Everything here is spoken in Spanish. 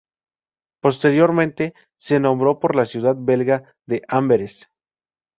Posteriormente se nombró por la ciudad belga de Amberes.